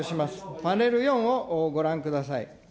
パネル４をご覧ください。